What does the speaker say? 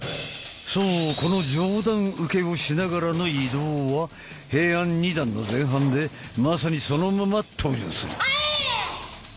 そうこの上段受けをしながらの移動は平安二段の前半でまさにそのまま登場する。